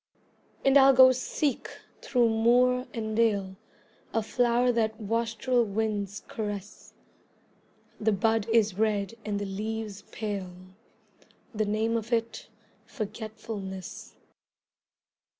And I'll go seek through moor and dale A flower that wastrel winds caress; The bud is red and the leaves pale, The name of it Forgetfulness.